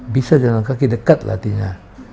bisa jalan kaki dekat latihnya